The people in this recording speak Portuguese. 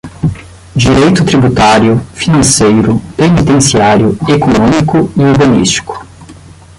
direito tributário, financeiro, penitenciário, econômico e urbanístico;